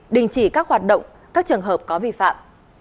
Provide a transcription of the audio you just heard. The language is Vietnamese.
đình chỉ các hoạt động các trường hợp có vi phạm